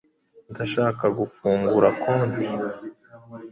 Ndashaka gufungura konti.